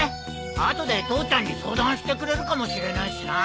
後で父ちゃんに相談してくれるかもしれねえしな。